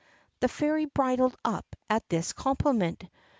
The Fairy bridled up at this compliment.